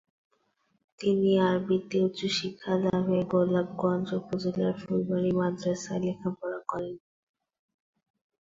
তিনি আরবীতে উচ্চ শিক্ষা লাভে গোলাপগঞ্জ উপজেলার ফুলবাড়ি মাদ্রাসায় লেখাপড়া করেন।